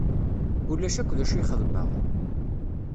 Ulac akk d acu i xedmeɣ.